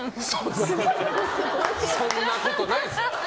そんなことないっすよ。